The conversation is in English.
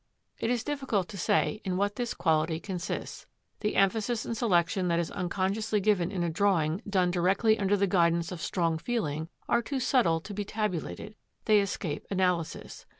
It is difficult to say in what this quality consists. The emphasis and selection that is unconsciously given in a drawing done directly under the guidance of strong feeling, are too subtle to be tabulated; they escape analysis.